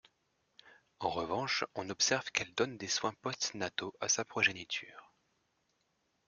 En revanche, on observe qu'elle donne des soins postnataux à sa progéniture.